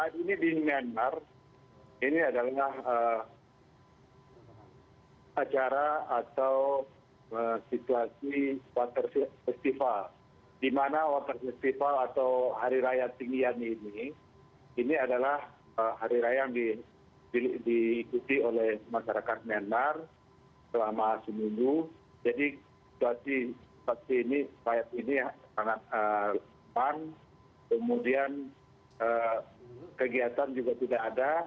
jadi situasi ini sangat pan kemudian kegiatan juga tidak ada